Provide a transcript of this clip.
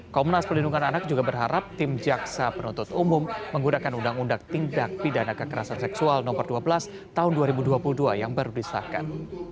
komnas perlindungan anak juga berharap tim jaksa penuntut umum menggunakan undang undang tindak pidana kekerasan seksual nomor dua belas tahun dua ribu dua puluh dua yang baru disahkan